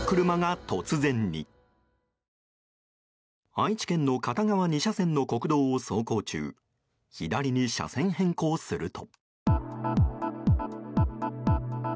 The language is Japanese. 愛知県の片側２車線の国道を走行中左に車線変更すると。